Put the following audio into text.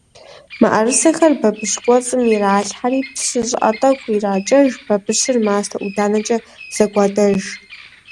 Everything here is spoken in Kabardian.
МыӀэрысэхэр бабыщ кӀуэцӀым иралъхьэри, псы щӀыӀэ тӀэкӀу иракӀэж, бабыщыр мастэ-ӀуданэкӀэ зэгуадэж.